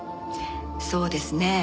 そうですね